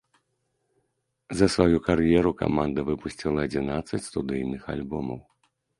За сваю кар'еру каманда выпусціла адзінаццаць студыйных альбомаў.